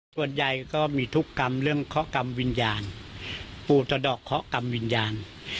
ส่วนใหญ่ก็มีทุกกรรมเรื่องเคาะกรรมวิญญาณปลูกสะดอกเคาะกรรมวิญญาณ